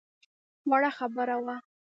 وړه خبره وه.